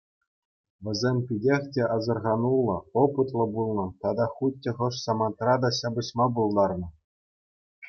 Вӗсем питех те асӑрхануллӑ, опытлӑ пулнӑ тата хуть те хӑш самантра та ҫапӑҫма пултарнӑ.